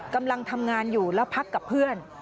กำลังทำงานอยู่แล้วพักกับเพื่อน